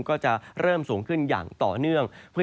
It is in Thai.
ก็จะมีการแผ่ลงมาแตะบ้างนะครับ